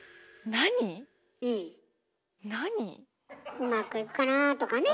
うまくいくかなあとかね。